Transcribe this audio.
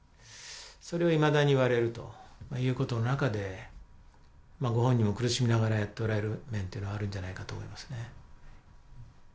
それをいまだに言われるということの中でまあご本人も苦しみながらやっておられる面というのはあるんじゃないかと思いますね